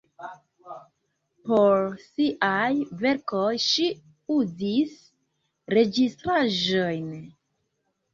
Por siaj verkoj ŝi uzis registraĵojn.